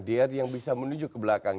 diet yang bisa menuju ke belakang